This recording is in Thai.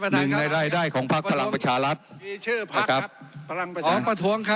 ในรายได้ของภักดิ์ภรรยาประชาลัดครับครับอ๋อประทวงครับ